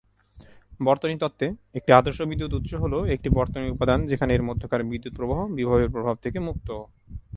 বর্তনী তত্ত্বে, একটি আদর্শ বিদ্যুৎ উৎস হলো একটি বর্তনী উপাদান যেখানে এর মধ্যকার বিদ্যুত প্রবাহ বিভবের প্রভাব থেকে মুক্ত।